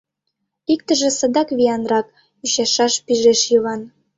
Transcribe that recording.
— Иктыже садак виянрак, — ӱчашаш пижеш Йыван.